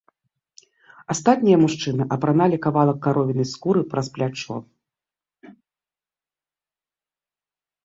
Астатнія мужчыны апраналі кавалак каровінай скуры праз плячо.